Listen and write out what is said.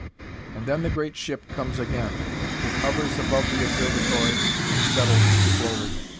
And then the great ship comes again. It hovers above the observatory and settles slowly down.